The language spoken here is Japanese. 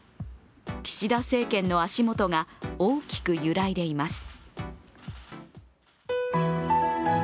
岸田政権の足元が大きく揺らいでいます。